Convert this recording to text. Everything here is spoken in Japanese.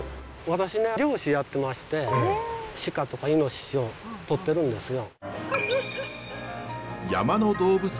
私ね猟師やってましてシカとかイノシシをとってるんですよ。